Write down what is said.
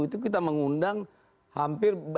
itu kita mengundang hampir